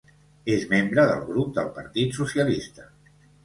És membre del grup del Partit Socialista.